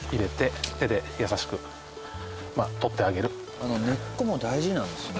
あの根っこも大事なんですね。